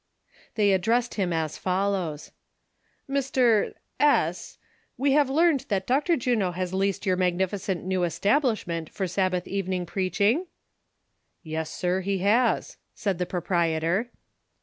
They addressed him as follows : "Mr. S r, we have learned that Dr. Juno has leased your magnificent new establishment for Sabbath evening preacliing ?"" Yes, sir, he has," said the proprietor.